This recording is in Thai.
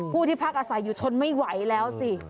ที่พักอาศัยอยู่ทนไม่ไหวแล้วสิ